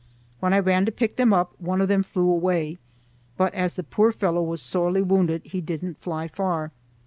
When I ran to pick them up, one of them flew away, but as the poor fellow was sorely wounded he didn't fly far.